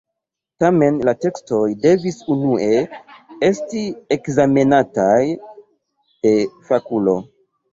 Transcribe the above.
Tamen la tekstoj devis unue esti ekzamenataj de fakulo.